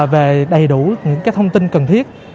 về đầy đủ những thông tin cần thiết